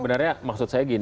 sebenarnya maksud saya gini